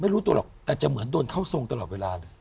ไม่รู้ตัวหรอกแต่จะเหมือนโดนเข้าทรงตลอดเวลาเลย